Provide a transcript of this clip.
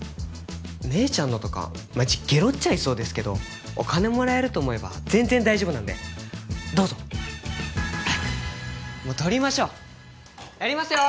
姉ちゃんのとかマジゲロっちゃいそうですけどお金もらえると思えば全然大丈夫なんでどうぞ早くもう撮りましょうやりますよ